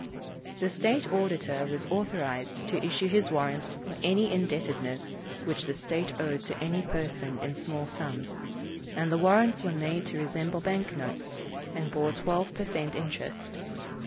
The state auditor was authorized to issue his warrants for any indebtedness which the state owed to any person in small sums, and the warrants were made to resemble bank notes, and bore twelve per cent interest.